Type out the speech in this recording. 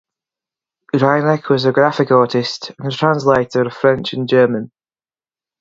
Reynek was a graphic artist and a translator of French and German.